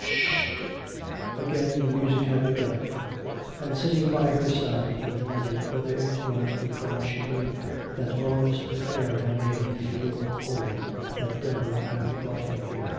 Sh h h!" Again the music had begun. And sitting by her side he wondered whether it was because she knew that Laura's affair had made him feel old that Deborah had brought him here.